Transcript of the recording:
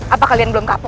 apakah kalian belum kapok